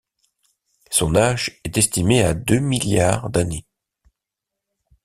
Son âge est estimé à deux milliards d'années.